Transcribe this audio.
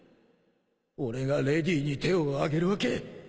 俺がレディに手を上げるわけ。